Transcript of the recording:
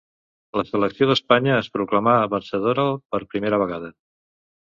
La selecció d'Espanya es proclamà vencedora per primera vegada.